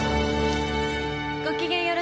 ごきげんよろしくて？